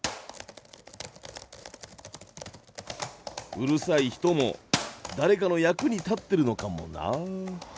うるさい人も誰かの役に立ってるのかもな。